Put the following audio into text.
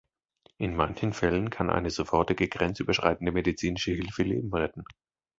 In manchen Fällen kann eine sofortige grenzüberschreitende medizinische Hilfe Leben retten.